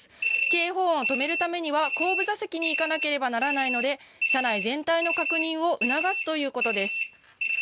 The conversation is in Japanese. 警報音を止めるためには後部座席に行かなければならないので車内全体の確認を促すということです。